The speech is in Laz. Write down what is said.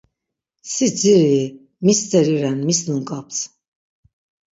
Si dzirii? Mi steri ren, mis nungaps?